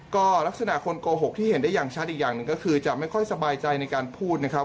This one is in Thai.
ก็ลักษณะคนโกหกที่เห็นได้อย่างชัดอีกอย่างหนึ่งก็คือจะไม่ค่อยสบายใจในการพูดนะครับ